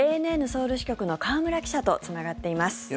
ＡＮＮソウル支局の河村記者とつながっています。